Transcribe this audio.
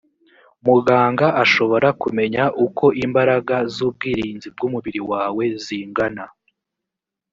muganga ashobora kumenya uko imbaraga z’ubwirinzi bw’umubiri wawe zingana